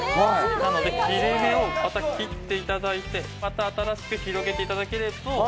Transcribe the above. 切れ目をまた切っていただいて、新しく広げていただけると。